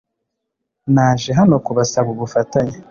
Naje hano kubasaba ubufatanye